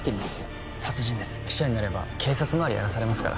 記者になれば警察周りやらされますから。